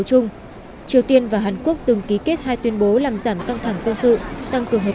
trung triều tiên và hàn quốc từng ký kết hai tuyên bố làm giảm căng thẳng quân sự tăng cường hợp